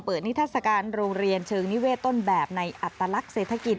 นิทัศกาลโรงเรียนเชิงนิเวศต้นแบบในอัตลักษณ์เศรษฐกิจ